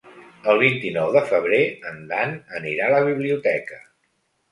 El vint-i-nou de febrer en Dan anirà a la biblioteca.